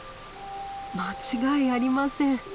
間違いありません。